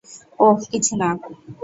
অহ, কিছুনা।